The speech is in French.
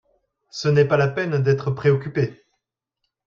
Ce n'est pas la peine d'être préocuppé.